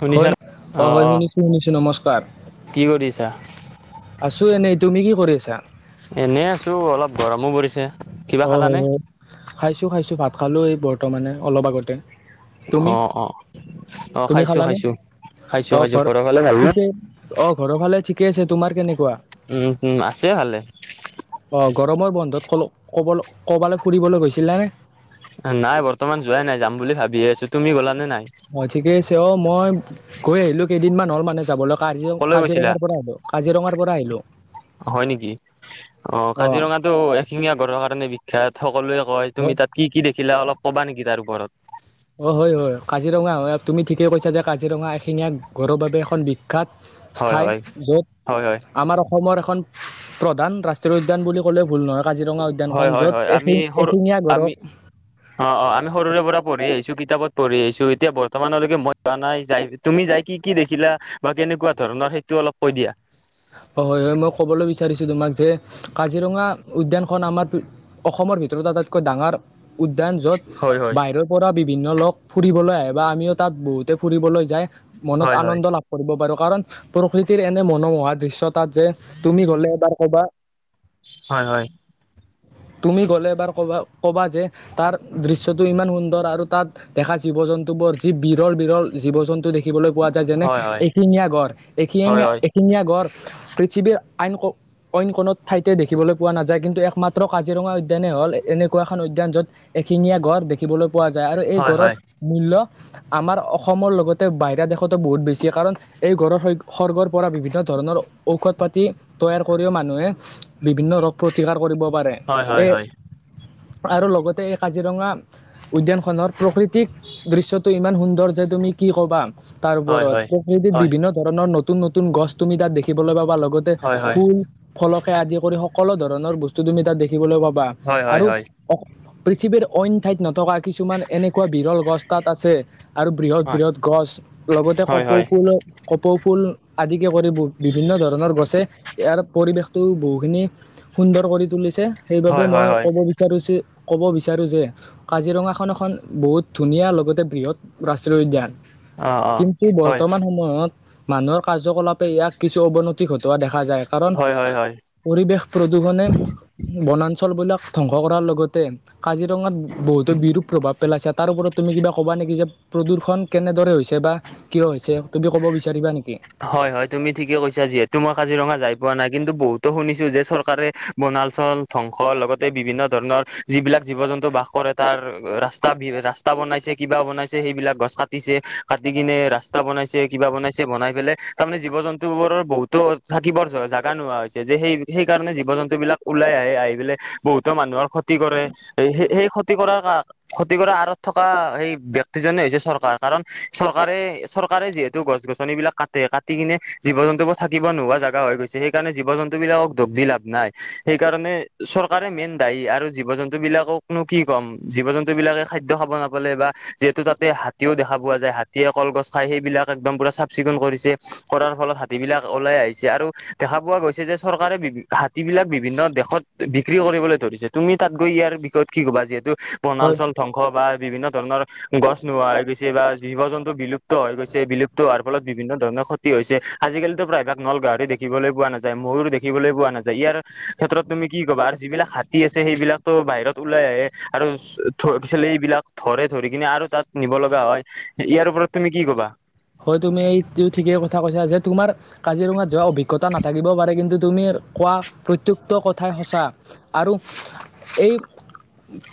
শুনিছা হয় ন অ হয় শুনিছো শুনিছো নমস্কাৰ কি কৰিছা আছো এনেই তুমি কি কৰি আছা? এনে আছো অলপ গৰমো পৰিছে কিবা খালানে? ভাতটো খাইছো ভাত খালো এই বৰ্তমানে অলপ আগতে অ তুমি অ অ তুমি খাইছো খালানে খাইছো খাইছো অ খাইছো ঘৰত ঘৰৰ ফালে ভালনে পিছে অহ ঘৰৰ ফালে ঠিকে আছে তোমাৰ কেনেকুৱা? উম উম আছে ভালে অ গৰমৰ বন্ধত ক কব কবালৈ ফুৰিবলৈ গৈছিলা নে? নাই বৰ্তমান যোৱাই নাই যাম বুলি ভাবি আছো তুমি গ'ল নে নাই? অহ ঠিকে আছে অহ মই গৈ আহিলোঁ কেইদিনমান হ'ল মানে যাবলৈ ক কলৈ গৈছিলা কাজিৰঙাৰ পৰা আহিলোঁ। কাজিৰঙাৰ পৰা আহিলোঁ। হয় নেকি অহ কাজিৰঙাটো এশিঙীয়া গঁড়ৰ কাৰণে বিখ্যাত সকলোৱে কয় অ তুমি তাত কি কি দেখিলা অলপ কবা নেকি তাৰ ওপৰত? অহ হয় হয় কাজিৰঙা হয় তুমি ঠিকেই কৈছা যে কাজিৰঙা এশিঙীয়া গঁড়ৰ বাবে এখন বি বিখ্যাত হয় ঠাই হয় য'ত হয় আমাৰ অসমৰ এখন প্ৰধান ৰাষ্ট্ৰীয় উদ্যান বুলি কলেও ভুল নহয় কাজিৰঙা হয় উদ্যানখন হয় হয় য'ত হয় এশিন এশিঙীয়া গঁড়ৰ, অহ অহ আমি সৰুৰে পৰা পঢ়ি আহিছো কিতাপত পঢ়ি আহিছো এতিয়া বৰ্তমানলৈকে মই যোৱা নাই যায়, তুমি যাই কি কি দেখিলা বা কেনেকুৱা ধৰণৰ সেইটো অলপ কৈ দিয়া। অ হয় হয় মই ক'বলৈ বিচাৰিছো তোমাক যে কাজিৰঙা উদ্যানখন আমাৰ, অসমৰ ভিতৰতো আটাইতকৈ ডাঙৰ উদ্যান য'ত হয় হয় বাহিৰত। পৰা বিভিন্ন লোক ফুৰিবলৈ আহে বা আমিও তাত বহুতে ফুৰিবলৈ যায় মনত হয় আনন্দ লাভ, কৰিব পাৰোঁ কাৰণ প্ৰকৃতিৰ এনে মনোমোহা দৃশ্য তাত যে তুমি গলে এবাৰ ক'বা। হয় হয়। তুমি গ'লে এবাৰ ক'বা ক'বা যে তাৰ দৃশ্যটো ইমান সুন্দৰ আৰু তাত। দেখা জীৱ জন্তু বোৰ যি বিৰৰ বীৰৰ জীৱ জন্তু দেখিবলৈ পোৱা। যেনে হয় এশেঙীয়া গড় হয় হয় হয় এশেঙীয়ে হয় এশেঙীয়া গড় পৃথিৱীৰ আইন ক অন্য কোনো ঠাইতে দেখিবলৈ পোৱা নাযায় কিন্তু একমাত্ৰ, একমাত্ৰ কাজিৰঙা উদ্যানেই হ'ল এনেকুৱা এখন উদ্যান য'ত এশেঙীয়া গঁড় দেখি, দেখিবলৈ পোৱা যায় আৰু হয় গড়ঁৰ হয় মূল্য, আমাৰ অসমৰ লগতে বাহিৰা দেশতো বহুত বেছি কাৰণ। এই গঁড়ৰ খৰ্গৰ পৰা বিভিন্ন ধৰণৰ ঔষধ পাতি। তৈয়াৰ কৰিও মানুহে বিভিন্ন ৰোগ প্ৰতিকাৰ কৰিব পাৰে হয় হয় এ, আৰু লগতে এই কাজিৰঙা। উদ্যানখনৰ প্ৰাকৃতিক দৃশ্যটো ইমান সুন্দৰ যে তুমি কি ক'বা। তাৰ হয় হয় ওপৰত প্ৰকৃতিত হয় বিভিন্ন ধৰণৰ নতুন নতুন গছ তুমি তাত দেখিবলৈ পাবা লগতে হয় হয় ফুল, ফলকে আদি কৰি সকলো ধৰণৰ বস্তু তুমি তাত দেখিবলৈ পাবা হয় হয় হয় হয় আৰু পৃথিৱীৰ অইন ঠাইত নথকা কিছুমান এনেকুৱা বিৰল গছ তাত আছে। আৰু বৃহৎ বৃহৎ গছ লগতে হয় হয় হয় কপৌ ফুল। কপৌ ফুল আদিকে কৰি বিভিন্ন ধৰণৰ গছে। ইয়াৰ পৰিৱেশতটো বহুখিনি সুন্দৰ কৰি তুলিছে সেইবাবে হয় মই হয় হয় ক'ব বি বিচাৰো যে কব বিচাৰো যে, কাজিৰঙাখন এখন বহুত ধুনীয়া লগতে বৃহৎ ৰাষ্ট্ৰীয় উদ্যান। অ অ কিন্তু হয় বৰ্তমান সময়ত, মানুহৰ কাৰ্যকলাপে ইয়াক কিছু অৱনতি ঘটোৱা দেখা যায় কাৰণ। হয় হয় হয় পৰিৱেশ প্ৰদূষণে বনাঞ্চল বিলাক ধ্বংস কৰাৰ লগতে। কাজিৰঙাত বহুতো বিৰূপ প্ৰভাৱ পেলাইছে তাৰ ওপৰত তুমি কিবা কবা নেকি যে, প্ৰদূৰ্ষন কেনেদৰে হৈছে বা কিয় হৈছে তুমি কব বিচাৰিবা নেকি। হয় হয় তুমি ঠিকেই কৈছা যিহেতু মই কাজিৰঙা যাই পোৱা নাই কিন্তু বহুতো শুনিছো যে চৰকাৰে। বনাচল ধ্বংস লগতে বিভিন্ন ধৰণৰ যিবিলাক জীৱ জন্তু বাস কৰে তাৰ ৰাস্তা বি ৰাস্তা, ৰাস্তা বনাইছে কিবা বনাইছে সেইবিলাক গছ কাটিছে কাটি কিনে ৰাস্তা বনাইছে কিবা বনাইছে বনাই লে তাৰমানে জীৱ জন্তু বোৰৰ বহুতো থাকিবৰ জাগা নোহোৱা হৈছে যে সেই সেই কাৰণে জীৱ জন্তু বিলাক। ওলাই আহে আহি পেলাই বহুতো মানুহৰ ক্ষতি কৰে সেই সেই ক্ষতি কৰাৰ, ক্ষতি কৰা আঁৰত থকা সেই ব্যক্তিজনে হৈছে চৰকাৰ কাৰণ চৰকাৰে চৰকাৰে যিহেতু। তো গছ গছনি বিলাক কা কাটি কিনে জীৱ জন্তুবোৰ থাকিব নোহোৱা জেগা হৈ গৈছে সেইকাৰণে জীৱ জন্তুবিলাকক দুখ দি লাভ নাই। সেইকাৰণে চৰকাৰে মেইন দায়ী আৰু জীৱ জন্তু বিলাকনো কি কম জীৱ জন্তু বিলাকে খাদ্য খাব নাপ বা যিহেতু তাতে হাতীও দেখা পোৱা যায় হাতীয়ে কলগছ খাই সেইবিলাক একদম পুৰা চাফ চিকুণ কৰি। কৰাৰ ফলত হাতী বিলাক ওলাই আহিছে আৰু দেখা পোৱা গৈছে যে চৰকাৰে বি হাতী বিলাক বিভিন্ন দেশত বিক্ৰী কৰিবলৈ ধৰিছে তুমি তাত গৈ ইয়াৰ বিষয়ত কি কবা যিহেতু। বনা হয় অঞ্চল ধ বা বিভিন্ন ধৰণৰ গছ নোহোৱা হৈ গৈছে বা জীৱ জন্তু বিলুপ্ত হৈ গৈছে বিলুপ্ত হোৱাৰ ফলত বিভিন্ন, ধৰণৰ ক্ষতি হৈছে আজিকালিতো প্ৰায়ভাগ নলগাহৰি দেখিবলৈ পোৱা নাযায় ময়োৰ দেখিবলৈ পোৱা নাযায় ইয়াৰ, ক্ষেত্ৰত তুমি কি ক'বা আৰু যিবিলাক হাতী আছে সেইবিলাকতো বাহিৰত ওলাই আহে। আৰু পিছ এইবিলাক ধৰে ধৰি কিনে আৰু তাত, নিব লগা হয় ইয়াৰ ওপৰত তুমি কি ক'বা। হয়, তুমি এইটো ঠিকেই কথা কৈছা যে তোমাৰ কাজিৰঙাত যোৱা অভিজ্ঞতা নাথাকিব পাৰে, কিন্তু তুমি কোৱা প্ৰত্য ক্ত কথাই সঁচা আৰু এই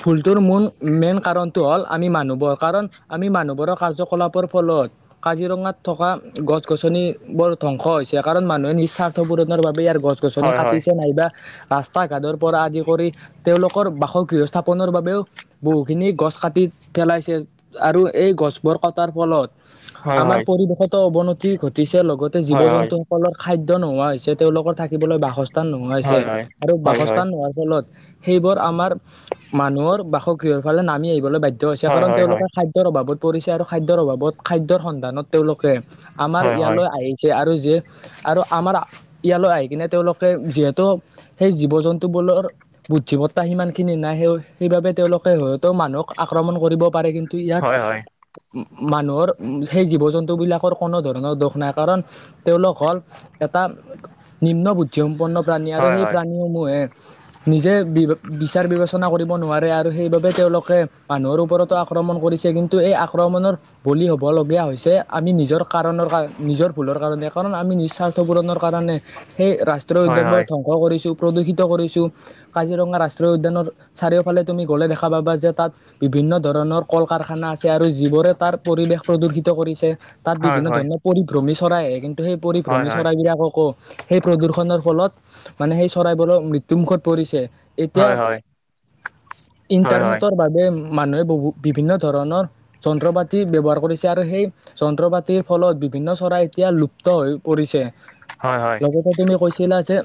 ফুলটোৰ মূল মেইন কাৰণটো হ'ল আমি মানুহবোৰ কাৰণ আমি মানুহবোৰৰ কাৰ্যকলাপৰ ফলত কাজিৰঙাত থকা গছ-গছনি বোৰ ধ্বংস হৈছে কাৰণ মানুহে নিস্বাৰ্থ পূৰণৰ বাবে ইয়াৰ গছ গছনি হয় হয় কাটিছে নাইবা, তা ঘাটৰ পৰা আদি কৰি তেওঁলোকৰ বাসগৃহ স্থাপনৰ বাবেও, বহুখিনি গছ কাটি পেলাইছে আৰু এই গছবোৰ কটাৰ ফলত, হয় আমাৰ হয় পৰিৱেশতো অৱনতি ঘটিছে, লগতে হয় হয় জীৱ-জন্তু, ফলত খাদ্য নোহোৱা হৈছে, তেওঁলোকৰ থাকিবলৈ বাসস্থ স্থান নোহোৱা হৈছে হয় আৰু হয় হয় বাসস্থান নোহোৱাৰ ফলত, সেইবোৰ আমাৰ মানুহৰ বাসগৃহৰ ফালে নামি আহিবলৈ বাধ্য হৈছে, হয় কাৰণ হয় হয় তেওঁলোকে খাদ্য খৰ অভাৱত পৰিছে আৰু খাদ্যৰ অভাৱত খাদ্যৰ সন্ধানত তেওঁলোকে আমাৰ হয় হয় হয় ইয়ালে আহি, আৰু যি আৰু আমাৰ ইয়ালৈ আহি কিনে তেওঁলোকে যিহেতু সেই জীৱ জন্তু বোৰৰ বুদ্ধিমত্তা সিমান খিনি নাই। সেই-সেইবাবে তেওঁলোকে হয়তো মানুহক আক্ৰমণ কৰিব পাৰে কিন্তু, ত ইয়াত হয় হয় মানুহৰ উম, সেই জীৱ-জন্তু বিলাকৰ কোনো ধৰণৰ দোষ নাই কাৰণ তেওঁলোক হ'ল, এটা নিম্ন বুদ্ধিসম্পন্ন প্ৰাণী আৰু হয় হয় সেই প্ৰাণীসমূহে নিজে বি বিচাৰ বিবেচনা কৰিব নোৱাৰে আৰু সেইবাবে তেওঁলোকে মানুহৰ ওপৰতে আক্ৰমণ কৰিছে, কিন্তু এই আক্ৰমণৰ বলি হ'ব, হ'বলগীয়া হৈছে আমি নিজৰ কাৰণৰ কাৰ নিজৰ ভুলৰ কাৰণে। কাৰণ আমি নিস্বাৰ্থ পূৰণৰ কাৰণে সেই ৰাষ্ট্ৰীয় হয় উদ্যানবোৰ হয় ধ্বংস কৰিছো, প্ৰদূষিত কৰিছো। কাজিৰঙা ৰাষ্ট্ৰীয় উদ্যানৰ চাৰিওফালে তুমি গ'লে দেখা পাবা যে তাত বিভিন্ন ধৰণৰ কল কাৰখানা আছে আৰু যিবোৰে তাৰ পৰিৱেশ, প্ৰদূৰ্শিত কৰিছে তাত হয় বিভিন্ন হয় ধৰণৰ পৰিভ্ৰমী চৰাই আহে কিন্তু সেই পৰিভ্ৰমী চৰাইবিলাককো, সেই প্ৰদূষনৰ ফলত মানে সেই চৰাইবোৰৰ মৃত্যুমুখত পৰিছে। হয় হয় হয় হয় এতিয়া হয় হয় ইণ্টাৰনেটৰ বাবে মানুহে বহু বিভিন্ন ধৰণৰ যন্ত্ৰ পাতি ব্যৱহাৰ কৰিছে। আৰু সেই যন্ত্ৰপাতিৰ ফলত বিভিন্ন চৰাই এতিয়া লুপ্ত হৈ পৰিছে। হয়-হয়। লগতে তুমি কৈছিলা যে,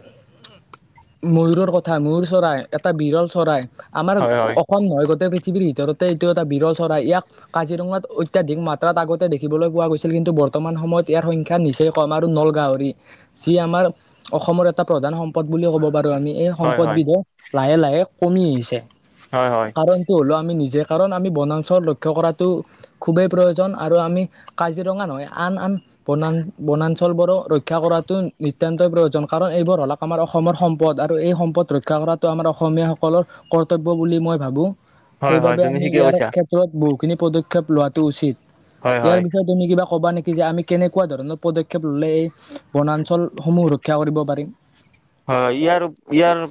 ময়ুৰৰ কথা ময়ুৰ চৰাই এটা বিৰল চৰাই। আমাৰ হয় হয় খন নহয় গোটেই পৃথিৱীৰ ভিতৰতে এইটো এটা বিৰল চৰাই। ইয়াক কাজিৰঙাত অত্যাধিক মাত্ৰা ত' আগতে দেখিবলৈ পোৱা গৈছিল কিন্তু বৰ্তমান সময়ত ইয়াৰ সংখ্যা নিচেই কম, আৰু নল গাহৰি। যি আমাৰ অসমৰ এটা প্ৰধান সম্পদ বুলি ক'ব পাৰো আমি। এই হয় সম্পদ হয় বিধে লাহে লাহে কমি আহিছে, হয় হয় কাৰণটো হ'লেও আমি নিজে। কাৰণ আমি বনাঞ্চল লক্ষ্য কৰাটো খুবেই প্ৰয়োজন আৰু আমি কাজিৰঙা নহয়, আন-আন বনা বনাঞ্চলবোৰক ৰক্ষা কৰাটো নিতান্তই প্ৰয়োজন, কাৰণ এইবোৰ হল। আমাৰ অসমৰ সম্পদ আৰু এই সম্পদ ৰক্ষা কৰাটো আমাৰ অসমীয়াসকলৰ কৰ্তব্য বুলি মই ভাবো। হয় হয় সেইবাবে তুমি আমি ঠিকে ইয়াৰ কৈছা ক্ষেত্ৰত বহুখিনি পদক্ষেপ লোৱাটো উচিত, হয় ইয়াৰ হয় বিষয়ে তুমি কিবা কবা নেকি? যে আমি কেনেকুৱা ধৰণৰ পদক্ষেপ ল'লে এই বনাঞ্চলসমূহ ৰক্ষা কৰিব পাৰে। হয়, ইয়াৰ-ইয়াৰ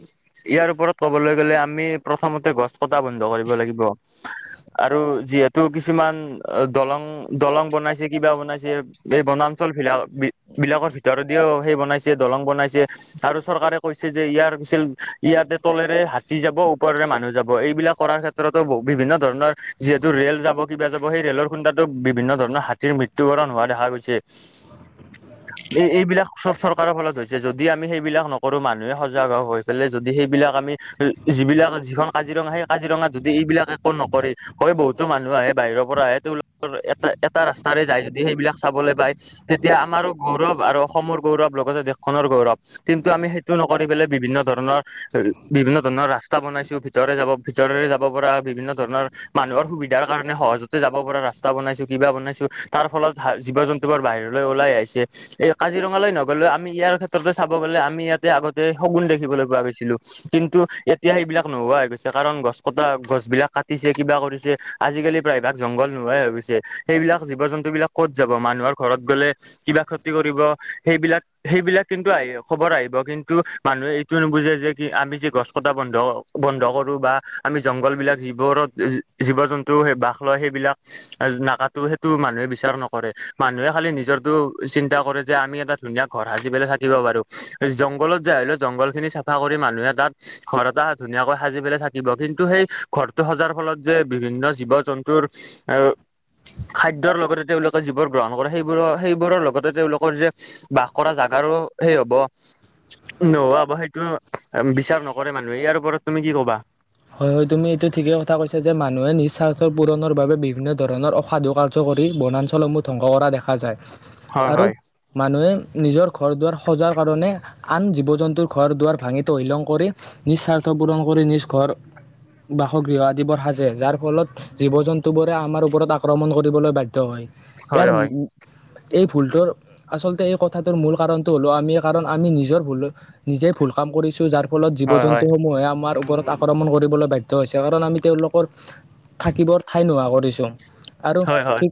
ইয়াৰ ওপৰত ক'বলৈ গলে আমি প্ৰথমতে গছ কটা বন্ধ কৰিব লাগিব। আৰু যিহেতু কিছুমান দলং-দলং বনাইছে কিবা বনাইছে, এই বনাঞ্চল বিলাক-বিলাকৰ ভিতৰত দিও সেই বনাইছে দলং বনাইছে, আৰু চৰকাৰে কৈছে যে ইয়াৰছিল ইয়াতে তলেৰে হাতী যাব, ওপৰেৰে মানুহ যাব, এইবিলাক কৰাৰ ক্ষেত্ৰত টো বিভিন্ন ধৰণৰ যিহেতু ৰেল যাব, কিবা যাব সেই ৰেলৰ খুন্দাতো বিভিন্ন ধৰণৰ হাতী ৰ মৃত্যুবৰণ হোৱা দেখা গৈছে। অ', এই-এইবিলাক চব চৰকাৰৰ ফলত হৈছে। যদি আমি সেই বিলাক নকৰো, মানুহে সজাগ হৈ পেলাই যদি সেইবিলাক আমি যিবিলাক যিখন কাজিৰঙা সেই কাজিৰঙাত যদি এইবিলাক একো নকৰে, হয় বহুতো মানুহ আহে বাহিৰৰ পৰা আহে তেওঁলোকৰ এটা এটা ৰাস্তাৰে যায় যদি সেইবিলাক চাবলৈ পায়, তেতিয়া আমাৰো গৌৰৱ আৰু অসমৰ গৌৰৱ, লগতে দেশখনৰ গৌৰৱ। কিন্তু আমি সেইটো নকৰি পেলাই বিভিন্ন ধৰণৰ বিভিন্ন ধৰণৰ ৰাস্তা বনাইছো, ভিতৰে যাব ভিতৰ যাব পৰা বিভিন্ন ধৰণৰ মানুহৰ সুবিধাৰ কাৰণে সহজতে যাব পৰা ৰাস্তা বনাইছো, কিবা বনাইছো, তাৰ ফলত জীৱ জন্তু বাহিৰলৈ ওলাই আহিছে। এই কাজিৰঙালৈ নগ'লেও আমি ইয়াৰ ক্ষেত্ৰত গলে আমি ইয়াতে আগতে শুন দেখিবলৈ পোৱা গৈছিলো। কিন্তু এতিয়া সেইবিলাক নোহোৱা হৈ গৈছে, কাৰণ গছ কটা গছ বিলাক কাটিছে, কিবা কৰিছে। আজিকালি প্ৰায়ভাগ জংঘল নোহাৱাই হৈ গৈছে। সেইবিলাক জীৱ জন্তু বিলাক ক'ত যাব মানুহৰ ঘৰত গ'লে কিবা ক্ষতি কৰিব সেইবিলাক-সেইবিলাক আহ খবৰ আহিব। কিন্তু মানুহে এইটো নুবুজে যে কি আমি যে গছ কটা বন্ধ বন্ধ কৰো বা আমি জংঘল বিলাক যিবোৰত জীৱ জন্তু বাস লয়, সেইবিলাক নাকাত সেইটো মানুহে বিচাৰ নকৰে। মানুহে খালি নিজৰটো চিন্তা কৰে যে, আমি এটা ধুনীয়া ঘৰ সাজি পেলাই দিব পাৰো। জংঘলত যাই হলেও জংঘল খিনি চাফা কৰি মানুহে তাত ঘৰ এটা ধুনীয়াকৈ সাজি পেলাই থাক দিব, কিন্তু সেই ঘৰটো সজাৰ ফলত যে বিভিন্ন জীৱ-জন্তুৰ আহ খাদ্যৰ লগতে তেওঁলোকে যিবোৰ গ্ৰহণ কৰে, সেইবোৰৰ-সেইবোৰৰ লগতে তেওঁলোকৰ যে বাস কৰা জাগাৰো সেই হ'ব নোহোৱাবোৰ সেইটো বিচাৰ নকৰে, মানুহে ইয়াৰ ওপৰত তুমি কি ক'বা? হয়-হয় তুমি এইটো ঠিকেই কথা কৈছ যে মানুহে নিজ স্বাৰ্থৰ পূৰণৰ বাবে বিভিন্ন ধৰণৰ অসাধুকাৰ কৰি বনাঞ্চলসমূহ ধ্বংস কৰা দেখা যায। হয় আৰু হয় মানুহে নিজৰ ঘৰ দুৱাৰ সজাৰ কাৰণে আন জীৱ জন্তুৰ ঘৰ দুৱাৰ ভাঙি তহিলং কৰি, নিস্বাৰ্থ পূৰণ কৰি নিজ ঘৰ বাসগৃহ আদিবোৰ সাজে, যাৰ ফলত জীৱ জন্তু বোৰে আমাৰ ওপৰত আক্ৰমণ কৰিবলৈ বাধ্য হয়। ইয়াৰ হয় উম, হয় এই ভূলটোৰ আচলতে এই কথাটোৰ মূল কাৰণটো হ'ল আমি, কাৰণ আমি নিজৰ ভুল নিজেই ভুল কাম কৰিছো যাৰ ফলত হয় জীৱ-জন্তু হয় সমূহে আমাৰ ওপৰত আক্ৰমণ কৰিবলৈ বাধ্য হৈছে। কাৰণ আমি তেওঁলোকৰ থাকিবৰ ঠাই নোহোৱা কৰিছো আৰু হয় ঠিক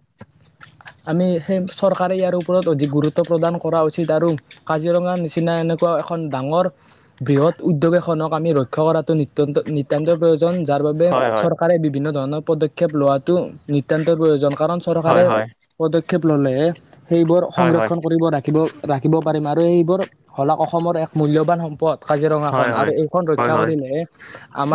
আমি সেই চৰকাৰে ইয়াৰ ওপৰত অধিক গুৰুত্ব প্ৰদান কৰা উচিত আৰু কাজিৰঙা নিচিনা এনেকুৱা এখন ডাঙৰ বৃহৎ উদ্যোগ এখনক আমি ৰক্ষা কৰাটো অতত্য নিতান্ত প্ৰয়োজন যাৰ বাবে হয় হয় হয় চৰকাৰে বিভিন্ন ধৰণৰ পদক্ষেপ লোৱাটো নিতান্ত প্ৰয়োজন, কাৰণ চৰকাৰে হয় হয় হয় পদক্ষেপ ললেহে সেইবোৰ সংৰক্ষণ কৰিব ৰাখিব ৰাখিব পাৰিম আৰু এইবোৰ শলাগ অসমৰ এক মূল্যবান সম্পদ। কাজিৰঙা খন হয় হয় আৰু এইখন হয় ৰক্ষা হয় কৰিলে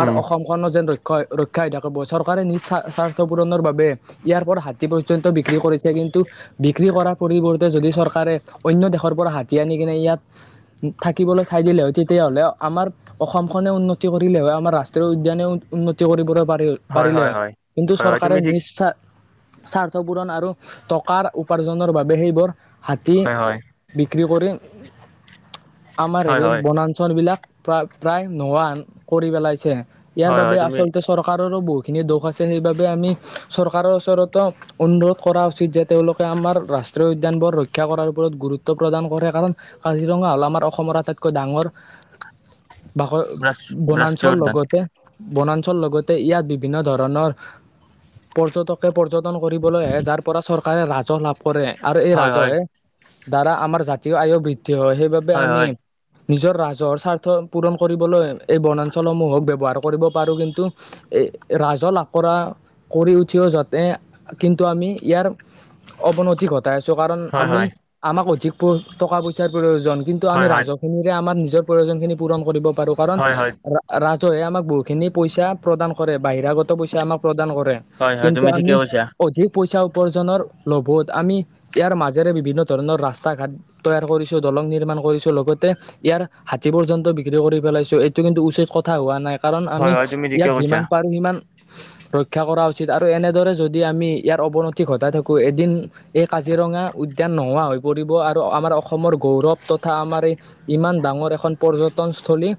উম অসমখনত যেন ৰক্ষ-ৰক্ষা হৈ থাকিব, চৰকাৰে নিজ স্বা-স্বাৰ্থ পূৰণৰ বাবে ইয়াৰ পৰা হাতী পৰ্যন্ত বিক্ৰী কৰিছে কিন্তু বিক্ৰী কৰাৰ পৰিৱৰ্তে যদি চৰকাৰে অন্য দেশৰ পৰা হাতী আনি কিনে ইয়াত থাকিবলৈ ঠাই দিলে হয়, তেতিয়াহলে আমাৰ অসমখনে উন্নত উন্নতি কৰিলে হয় আমাৰ ৰাষ্ট্ৰীয় উদ্যানেও উন্নতি কৰিবই পাৰিল পাৰিলে হয়, কিন্তু হয় হয় চৰকাৰে তুমি ঠিক নিস্বাথ স্বাৰ্থ পূৰণ আৰু টকাৰ উপাৰ্জনৰ বাবে সেইবোৰ হাতী হয় হয় বিক্ৰী কৰি আমাৰ হয় হেৰি হয় বনাঞ্চল বিলাক প্ৰায়-প্ৰায় নোহোৱা কৰি পেলাইছে ইয়াৰ হয় বাবে হয় তুমি আচলতে চৰকাৰৰো বহুখিনি দোষ আছে সেইবাবে আমি চৰকাৰৰ ওচৰতো অনুৰোধ কৰা উচিত যে তেওঁলোকে আমাৰ ৰাষ্ট্ৰীয় উদ্যানবোৰ ৰক্ষা কৰাৰ ওপৰত গুৰুত্ব প্ৰদান কৰে। কাৰণ কাজিৰঙা হল আমাৰ অসমৰ আটাইতকৈ ডাঙৰ ভাষ ৰাষ্ট- ৰাষ্ট্ৰীয় বনাঞ্চল উদ্যান লগতে-বনাঞ্চলৰ লগতে ইয়াত বিভিন্ন ধৰণৰ পৰ্যটকে পৰ্যটন কৰিবলৈ আহে যাৰ পৰা চৰকাৰে ৰাজহ লাভ কৰে আৰু এই হয় হয় ৰাজহে দ্বাৰা আমাৰ জাতীয় আয়ু বৃদ্ধি হয় সেইবাবে হয় আমি হয় নিজৰ ৰাজহৰ স্বাৰ্থ পূৰণ কৰিবলৈ এই বনাঞ্চলসমূহক ব্যৱহাৰ কৰিব পাৰো কিন্তু এ ৰাজল আঁকৰা কৰি উঠিও যাতে কিন্তু আমি ইয়াৰ অৱনতি ঘটাই আছো কাৰণ হয় আমি হয় আমাক অধিক টকা পইচাৰ প্ৰয়োজন কিন্তু আমি হয় হয় ৰাজহ সিনকে আমাৰ নিজৰ প্ৰয়োজন খিনি পূৰণ কৰিব পাৰো হয় হয় ৰাজহুৱে আমাক বহুতখিনি পইচা প্ৰদান কৰে বাহিৰাগত পইচা আমাক প্ৰদান কৰে হয় হয় কিন্তু তুমি আমি ঠিকে কৈছা অধিক পইচা উপাৰ্জনৰ লভত আমি ইয়াৰ মাজেৰে বিভিন্ন ধৰণৰ ৰাস্তা ঘাট তৈয়াৰ কৰিছো দলং নিৰ্মাণ কৰিছো লগতে ইয়াৰ হাতী পৰ্যন্ত বিক্ৰী কৰি পেলাইছোঁ। কিন্তু উচিত কথা হোৱা নাই কাৰণ হয় আমি হয় তুমি ঠিকে ইয়াক কৈছা যিমান পাৰো সিমান ৰক্ষা কৰা উচিত আৰু এনেদৰে যদি আমি ইয়াৰ অৱনতি ঘটাই থাকো এদিন এই কাজিৰঙা উদ্যান নোহোৱা হৈ পৰিব আৰু আমাৰ অসমৰ গৌৰৱ তথা আমাৰ এই ইমান ডাঙৰ এখন পৰ্যটনস্থলী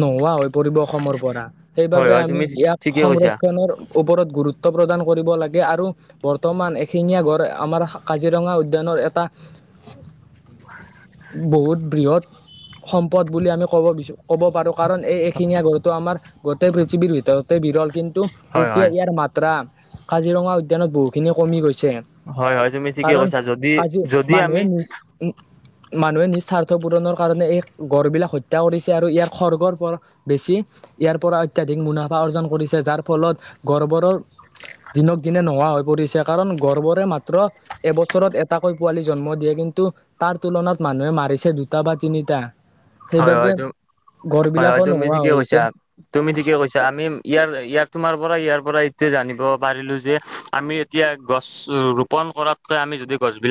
নোহোৱা হৈ পৰিব অসমৰ পৰা হয় সেইবাবে হয় আমি তুমি ইয়াক ঠিকে কৈছা সংৰক্ষনৰ ওপৰত গুৰুত্ব প্ৰদান কৰিব লাগে আৰু বৰ্তমান এশিঙীয়া গড় আমাৰ কাজিৰঙা উদ্যানৰ এটা বহুত বৃহৎ সম্পদ বুলি আমি ক'ব বি ক'ব পাৰো কাৰণ এইখিনিয়ে গুৰুত্ব, আমাৰ গোটেই পৃথিৱীৰ ভিতৰতে বিৰল কিন্তু- কিন্তু হয় এতিয়া হয় ইয়াৰ মাত্ৰা কাজিৰঙা উদ্যানত বহুখিনি কমি গৈছে। হয় হয় তুমি ঠিকে কাৰণ কৈছা যদি আজি যদি মানুহে আমি নিজ- মানুহে নিস্বাৰ্থ পূৰণৰ কাৰণে এই গড় বিলাক হত্যা কৰিছে আৰু ইয়াৰ খৰ্গৰ পৰ বেছি ইয়াৰ পৰা অত্যাধিক মুনাফা অৰ্জন কৰিছে যাৰ ফলত গৰ্বৰৰ দিনক দিনে নোহোৱা হৈ পৰিছে কাৰণ গৰ্বৰে মাত্ৰ এবছৰত এটাকৈ পোৱালি জন্ম দিয়ে কিন্তু তাৰ তুলনাত মানুহে মাৰিছে দুটা বা তিনিটা হয় সেইবাবে হয় এইতো গড় হয় হয় বিলাকো তুমি নোহোৱা ঠিকেই হৈছে কৈছা। তুমি ঠিকে কৈছা আমি ইয়াৰ ইয়াৰ তোমাৰ পৰা ইয়াৰ পৰা এইটোৱে জানিব পাৰিলো যে আমি এতিয়া গছ ৰোপণ কৰাতকে আমি যদি গছ বিলাক -